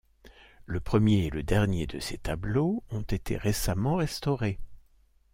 Le premier et le dernier de ces tableaux ont été récemment restaurés.